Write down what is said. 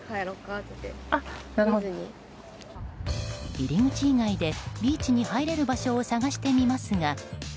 入り口以外でビーチに入れる場所を探してみますが。